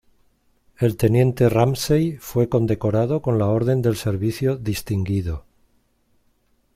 El teniente Ramsay fue condecorado con la Orden del Servicio Distinguido.